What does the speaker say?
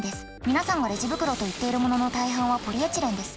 皆さんがレジ袋といっているものの大半はポリエチレンです。